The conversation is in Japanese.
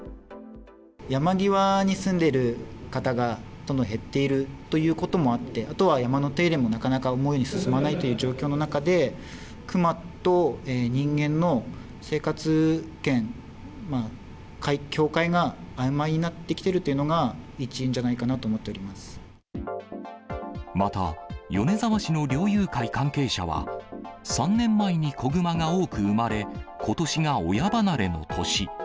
山際に住んでいる方がどんどん減っているということもあって、あとは山の手入れもなかなか思うように進まないという状況の中で、クマと人間の生活圏、境界があいまいになってきているというのが、一因じゃないかなとまた、米沢市の猟友会関係者は、３年前に子グマが多く産まれ、ことしが親離れの年。